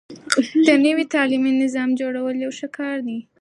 د نوي تعليمي نظام جوړول يو ښه کار دی.